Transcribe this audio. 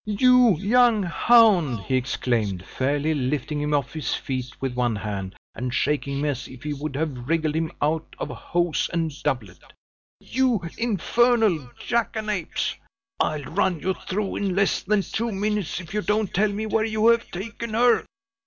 "You young hound!" he exclaimed, fairly lifting him off his feet with one hand, and shaking him as if he would have wriggled him out of hose and doublet. "You infernal young jackanapes! I'll run you through in less than two minutes, if you don't tell me where you have taken her."